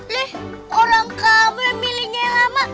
lih orang kamar pilihnya lama